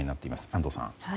安藤さん。